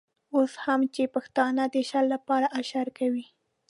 اوس هم چې پښتانه د شر لپاره اشر کوي.